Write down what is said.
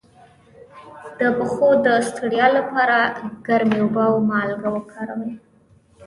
د پښو د ستړیا لپاره ګرمې اوبه او مالګه وکاروئ